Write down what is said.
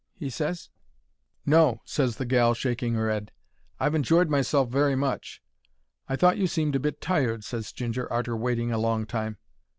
he ses. "No," ses the gal, shaking her 'ead, "I've enjoyed myself very much." "I thought you seemed a bit tired," ses Ginger, arter waiting a long time.